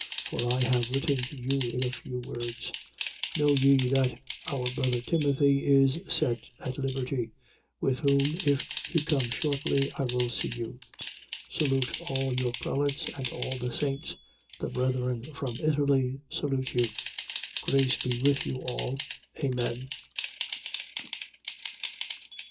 For I have written to you in a few words. 13:23. Know ye that our brother Timothy is set at liberty: with whom (if he come shortly) I will see you. 13:24. Salute all your prelates and all the saints. The brethren from Italy salute you. 13:25. Grace be with you all. Amen.